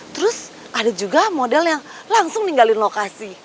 terus ada juga model yang langsung ninggalin lokasi